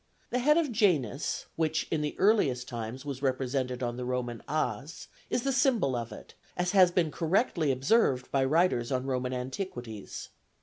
The head of Janus, which in the earliest times was represented on the Roman as, is the symbol of it, as has been correctly observed by writers on Roman antiquities.